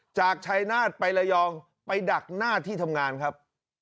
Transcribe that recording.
จากชายนาฏไประยองไปดักหน้าที่ทำงานครับ